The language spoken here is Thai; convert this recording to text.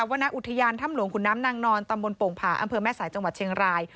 วรรณอุทยานถ้ำหลวงขุนน้ำนางนอนตำบลโป่งผาอำเภอแม่สายจังหวัดเชียงราย